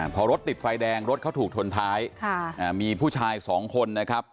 พอรถติดไฟแดงรถเขาถูกชนท้ายมีผู้ชายสองคนนะครับ